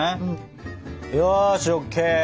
よしＯＫ。